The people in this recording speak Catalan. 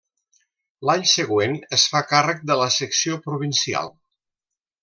L'any següent es fa càrrec de la secció provincial.